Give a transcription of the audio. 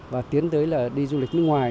và tiến tới là đi du lịch nước ngoài